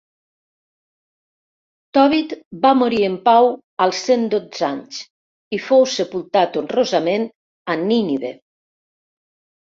Tobit va morir en pau als cent dotze anys i fou sepultat honrosament a Nínive.